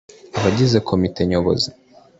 abagize Komite Nyobozi